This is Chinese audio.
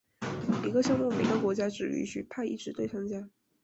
一个项目每个国家只允许派一支队参加。